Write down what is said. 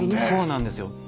そうなんですよ。